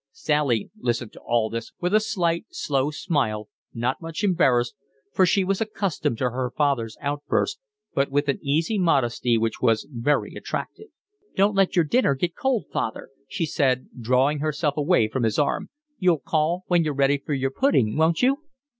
Sally listened to all this with a slight, slow smile, not much embarrassed, for she was accustomed to her father's outbursts, but with an easy modesty which was very attractive. "Don't let your dinner get cold, father," she said, drawing herself away from his arm. "You'll call when you're ready for your pudding, won't you?"